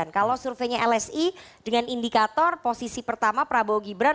kalau surveinya lsi dengan indikator posisi pertama prabowo gibran